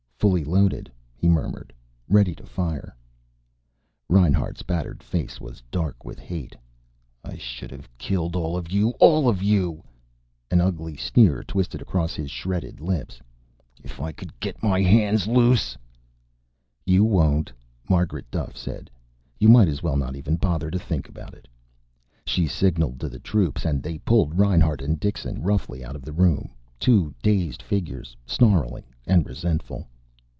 "Fully loaded," he murmured. "Ready to fire." Reinhart's battered face was dark with hate. "I should have killed all of you. All of you!" An ugly sneer twisted across his shredded lips. "If I could get my hands loose " "You won't," Margaret Duffe said. "You might as well not even bother to think about it." She signalled to the troops and they pulled Reinhart and Dixon roughly out of the room, two dazed figures, snarling and resentful.